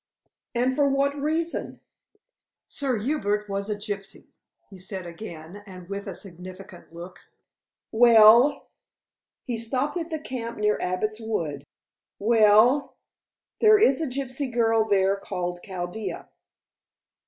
"And for what reason?" "Sir Hubert was a gypsy," he said again, and with a significant look. "Well?" "He stopped at the camp near Abbot's Wood." "Well?" "There is a gypsy girl there called Chaldea."